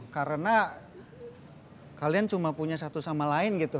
karena kalian cuma punya satu sama lain gitu